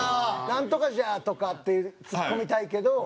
「ナントカじゃ」とかってツッコみたいけど。